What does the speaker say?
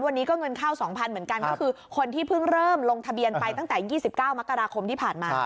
วันนี้ก็เงินเข้า๒๐๐๐เหมือนกันก็คือคนที่เพิ่งเริ่มลงทะเบียนไปตั้งแต่๒๙มกราคมที่ผ่านมา